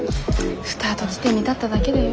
スタート地点に立っただけだよ。